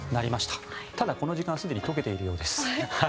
ただ、この時間すでに溶けているようです。